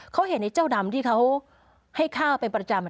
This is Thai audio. เขาเห็นไอ้เจ้าดำที่เขาให้ข้าวเป็นประจำ